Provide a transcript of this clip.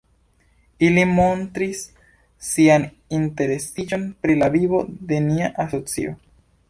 Ili montris sian interesiĝon pri la vivo de nia asocio.